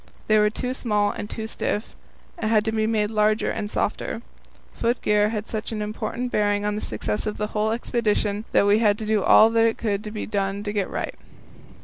They were too small and too stiff, and had to be made larger and softer. Foot gear had such an important bearing on the success of the whole expedition that we had to do all that could be done to get it right.